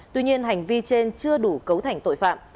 tuy nhiên hành vi trên chưa đủ cấu thành tội phạm